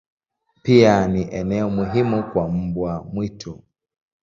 Pia ni eneo muhimu kwa mbwa mwitu.